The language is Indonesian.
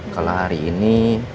kalau hari ini